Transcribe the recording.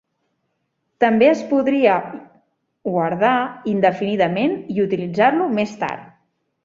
També es podria guardar indefinidament i utilitzar-lo més tard.